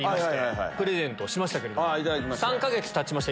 ３か月たちました